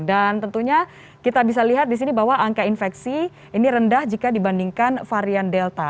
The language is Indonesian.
dan tentunya kita bisa lihat disini bahwa angka infeksi ini rendah jika dibandingkan varian delta